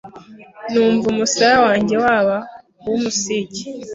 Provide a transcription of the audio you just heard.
Numva umusaya wanjye waba uw’Umusigi